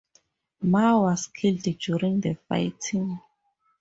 Ma was killed during the fighting.